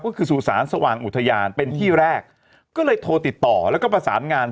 ก็คือสู่สารสว่างอุทยานเป็นที่แรกก็เลยโทรติดต่อแล้วก็ประสานงาน